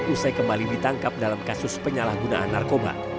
usai kembali ditangkap dalam kasus penyalahgunaan narkoba